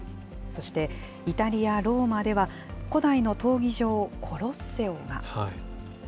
そして、イタリア・ローマでは、古代の闘技場、コロッセオが。